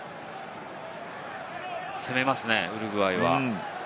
攻めますね、ウルグアイは。